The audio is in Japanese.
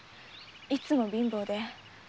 いつも貧乏で。